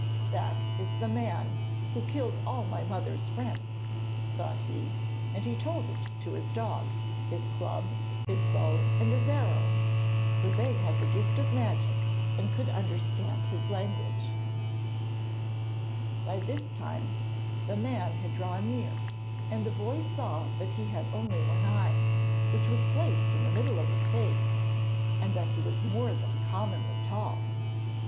'That is the man who killed all my mother's friends,' thought he, and he told it to his dog, his club, his bow and his arrows, for they had the gift of magic and could understand his language. [Illustration: THE GIRL BATHED HIM EVERY MORNING IN THE POOL.] By this time the man had drawn near, and the boy saw that he had only one eye, which was placed in the middle of his face, and that he was more than commonly tall.